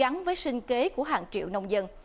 gắn với sinh kế của hàng triệu nông dân